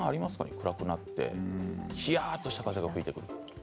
暗くなってひやっとした風が吹いてくる。